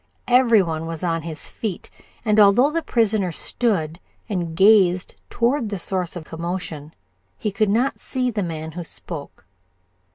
Every one was on his feet, and although the prisoner stood and gazed toward the source of commotion he could not see the man who spoke.